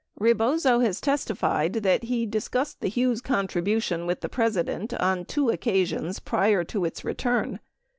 15 Rebozo has testified that he discussed the Hughes contribution with the President on two occasions prior to its return.